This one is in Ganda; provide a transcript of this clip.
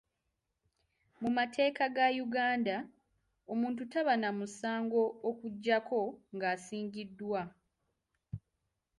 Mu mateeka ga Uganda, omuntu taba na musango okujjako nga asingisiddwa.